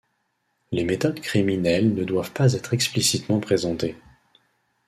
Les méthodes criminelles ne doivent pas être explicitement présentées.